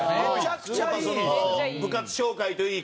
やっぱ部活紹介といい